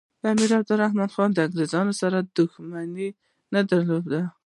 امیر عبدالرحمن خان له انګریزانو سره دښمني نه درلوده.